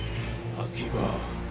秋葉。